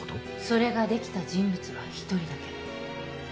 それができた人物は１人だけ。